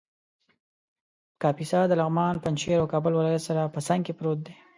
کاپیسا د لغمان ، پنجشېر او کابل ولایت سره په څنګ کې پروت دی